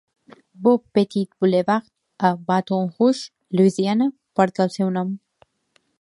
"Bob Pettit Boulevard" a Baton Rouge, Louisiana, porta el seu nom.